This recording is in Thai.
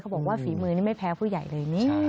บอกว่าฝีมือนี่ไม่แพ้ผู้ใหญ่เลยนี่